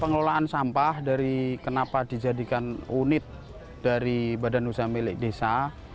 pengelolaan sampah dari kenapa dijadikan unit dari badan usaha milik desa